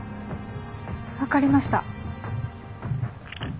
分かりました。